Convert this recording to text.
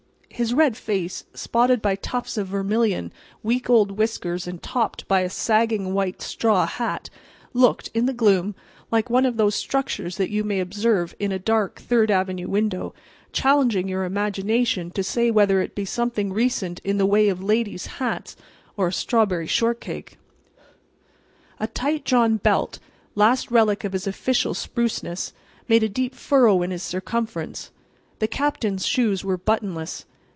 His red face, spotted by tufts of vermilion, week old whiskers and topped by a sagging white straw hat, looked, in the gloom, like one of those structures that you may observe in a dark Third avenue window, challenging your imagination to say whether it be something recent in the way of ladies' hats or a strawberry shortcake. A tight drawn belt—last relic of his official spruceness—made a deep furrow in his circumference. The Captain's shoes were buttonless.